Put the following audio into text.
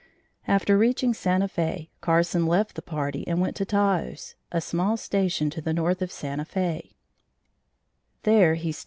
After reaching Santa Fe, Carson left the party and went to Taos, a small station to the north of Santa Fe.